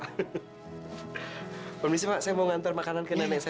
tunggu sebentar pak saya mau ngantar makanan ke nenek saya